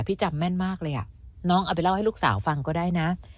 พี่จำแม่นมากเลยอ่ะน้องเอาไปเล่าให้ลูกสาวฟังก็ได้นะ